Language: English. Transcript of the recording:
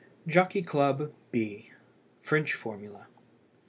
JOCKEY CLUB, B (FRENCH FORMULA).